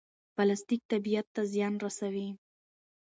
پلاستیک طبیعت ته زیان رسوي.